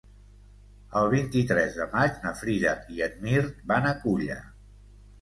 El vint-i-tres de maig na Frida i en Mirt van a Culla.